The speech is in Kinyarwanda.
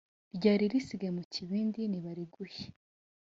ryari risigaye mu kibindi nibariguhe.